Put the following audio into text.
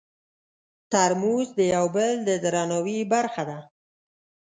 ترموز د یو بل د درناوي برخه ده.